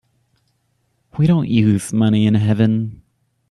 We don't use money in heaven.